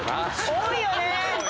多いよね。